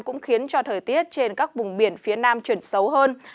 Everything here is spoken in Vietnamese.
cũng khiến cho thời tiết trên các vùng biển phía nam chuyển xấu hơn